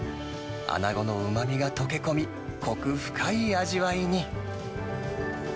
アナゴのうまみが溶け込み、こく深い味わいに。